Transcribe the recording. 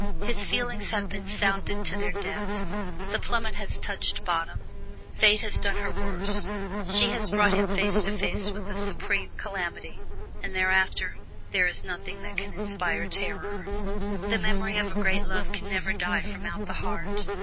His feelings have been sounded to their depths the plummet has touched bottom. Fate has done her worst: she has brought him face to face with the Supreme Calamity, and thereafter there is nothing that can inspire terror. The memory of a great love can never die from out the heart.